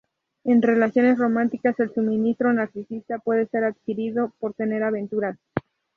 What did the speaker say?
En relaciones románticas, el suministro narcisista puede ser adquirido por tener aventuras.